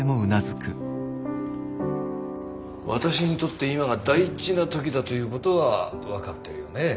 私にとって今が大事な時だということは分かってるよね？